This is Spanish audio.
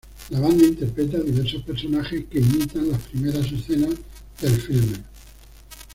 La banda interpreta diversos personajes que imitan las primeras escenas del filme.